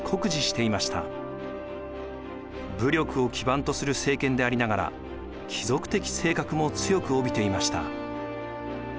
武力を基盤とする政権でありながら貴族的性格も強く帯びていました。